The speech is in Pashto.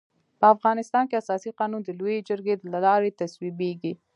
په افغانستان کي اساسي قانون د لويي جرګي د لاري تصويبيږي.